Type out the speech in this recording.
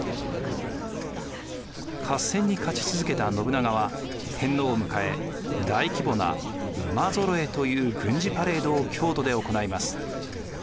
合戦に勝ち続けた信長は天皇を迎え大規模な馬揃えという軍事パレードを京都で行います。